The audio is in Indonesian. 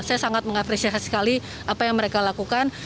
saya sangat mengapresiasi sekali apa yang mereka lakukan